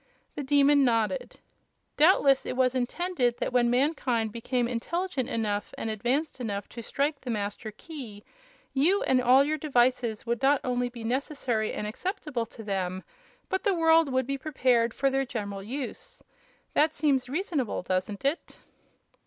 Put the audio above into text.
The Demon nodded. "Doubtless it was intended that when mankind became intelligent enough and advanced enough to strike the Master Key, you and all your devices would not only be necessary and acceptable to them, but the world would be prepared for their general use. That seems reasonable, doesn't it?"